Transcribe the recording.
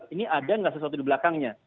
ini ada nggak sesuatu di belakangnya